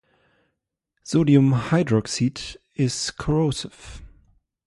Sodium hydroxide is corrosive.